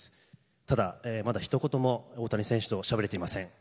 ただ、まだひと言も大谷選手としゃべれていません。